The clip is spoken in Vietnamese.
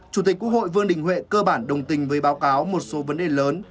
chủ tịch quốc hội vương đình huệ cơ bản đồng tình với báo cáo một số vấn đề lớn